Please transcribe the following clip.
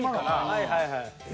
はいはいはい。